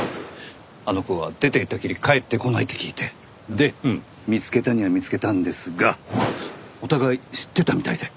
あの子が出ていったきり帰ってこないと聞いて。で見つけたには見つけたんですがお互い知ってたみたいで。